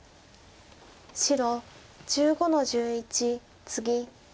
白１５の十一ツギ。